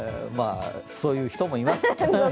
そういう人もいます。